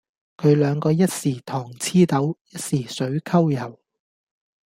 佢兩個一時糖黐豆，一時水摳油